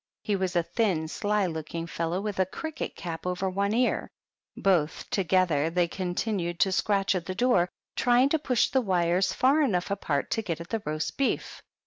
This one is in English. He was a thin, sly looking fellow, with a cricket cap over one ear. Both together they continued to scratch at the door, trying to push the wires far enough apart to get at the roast beef.